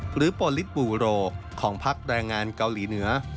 หรือโปรลิสบูโรของพักแรงงานเกาหลีเหนือ